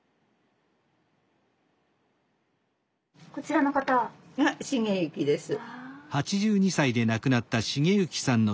こちらの方？が成幸です。